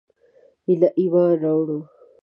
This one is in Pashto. ایله ایمان راووړ.